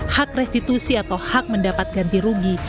hak restitusi atau hak mendapat ganti rugi